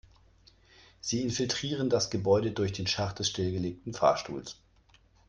Sie infiltrieren das Gebäude durch den Schacht des stillgelegten Fahrstuhls.